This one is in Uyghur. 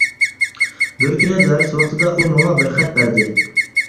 بىر كۈنى دەرس ۋاقتىدا ئۇ ماڭا بىر خەت بەردى.